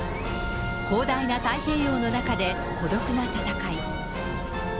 広大な太平洋の中で孤独な戦い。